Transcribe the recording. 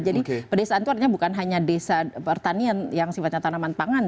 jadi perdesaan itu artinya bukan hanya desa pertanian yang sifatnya tanaman pangan